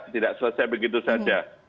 tidak selesai begitu saja